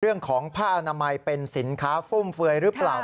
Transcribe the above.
เรื่องของผ้าอนามัยเป็นสินค้าฟุ่มเฟือยหรือเปล่า